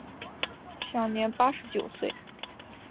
享年八十九岁。